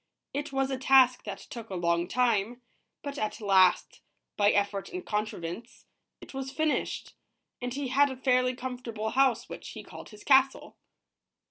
It was a task that took a long time, but at last, by effort and contrivance, it was finished, and he had a fairly comfortable house, which he called his castle.